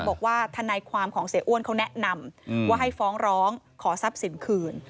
บอกว่าทนายความของเสียอ้วนเขาแนะนำว่าให้ฟ้องร้องขอทรัพย์สินคืน